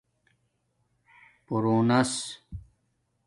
بݸونس